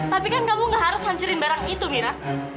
tapi kan kamu gak harus lancarin barang itu mira